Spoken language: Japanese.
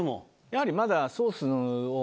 やはりまだ。